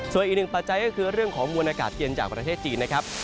ส่วนอีกหนึ่งปัจจัยก็คือเรื่องของมวลอากาศเย็นจากประเทศจีนนะครับ